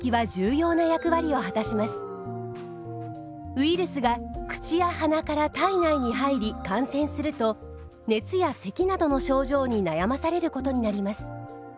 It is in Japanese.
ウイルスが口や鼻から体内に入り感染すると熱やせきなどの症状に悩まされることになります。